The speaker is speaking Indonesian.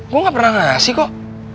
gue gak pernah ngasih kok